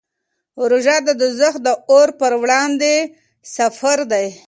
روژه د دوزخ د اور پر وړاندې سپر دی.